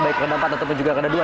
baik rada empat ataupun juga rada dua